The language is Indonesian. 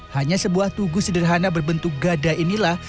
hanya sebuah tugu sederhana berbentuk gada inilah